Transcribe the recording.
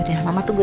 oke mama tunggu ya